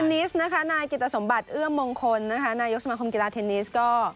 นิสนะคะนายกิตสมบัติเอื้อมมงคลนะคะนายกสมาคมกีฬาเทนนิสก็